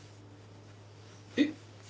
えっ？